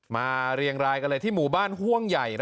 เรียงรายกันเลยที่หมู่บ้านห่วงใหญ่